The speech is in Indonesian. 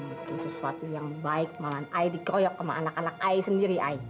itu sesuatu yang baik malah i dikroyok sama anak anak i sendiri i